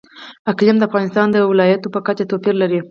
اقلیم د افغانستان د ولایاتو په کچه توپیر لري.